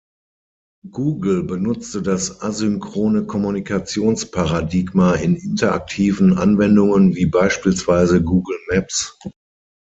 Google benutzte das asynchrone Kommunikations-Paradigma in interaktiven Anwendungen wie beispielsweise Google Maps.